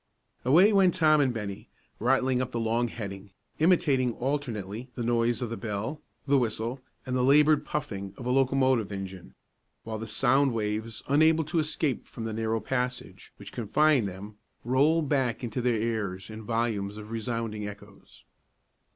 Away went Tom and Bennie, rattling up the long heading, imitating alternately the noise of the bell, the whistle, and the labored puffing of a locomotive engine; while the sound waves, unable to escape from the narrow passage which confined them, rolled back into their ears in volumes of resounding echoes.